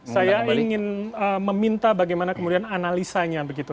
saya ingin meminta bagaimana kemudian analisanya begitu